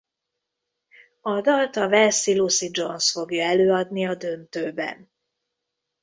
A dalt a walesi Lucie Jones fogja előadni a döntőben.